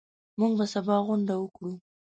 موږ به سبا غونډه وکړو.